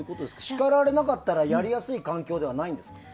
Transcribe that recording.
叱られなかったらやりやすい環境じゃないんですか？